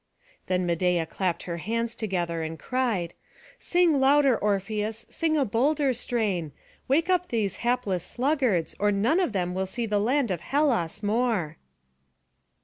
Then Medeia clapped her hands together, and cried, "Sing louder, Orpheus, sing a bolder strain; wake up these hapless sluggards, or none of them will see the land of Hellas more."